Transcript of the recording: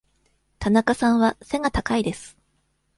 田中さんは背が高いです。